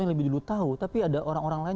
yang lebih dulu tahu tapi ada orang orang lain